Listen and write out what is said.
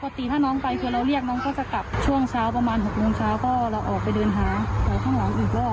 ปกตีแล้วถ้าน้องไปคือเราเรียกน้องว่าก็จะกลับช่องเช้าประมาณ๖องค์เช้าก็เราออกไปเดินหาออกไปข้างหลังอีกรอบ